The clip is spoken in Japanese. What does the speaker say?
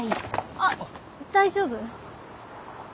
あっ大丈夫？